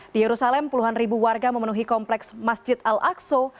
di yerusalem puluhan ribu warga memenuhi kompleks masjid al aqsa